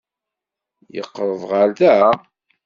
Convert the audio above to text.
Yeqreb ɣer da?